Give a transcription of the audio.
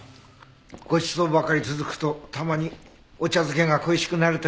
ごちそうばかり続くとたまにお茶漬けが恋しくなる時。